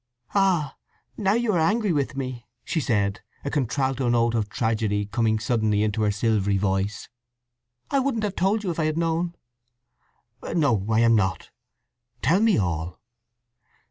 "Ah—now you are angry with me!" she said, a contralto note of tragedy coming suddenly into her silvery voice. "I wouldn't have told you if I had known!" "No, I am not. Tell me all."